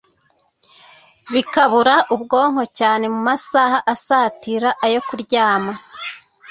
bikabura ubwonko cyane mu masaha asatira ayo kuryama.